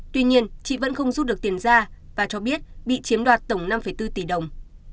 tuy nhiên chị vẫn không rút được tiền ra và cho biết bị chiếm đoạt tổng năm bốn tỷ đồng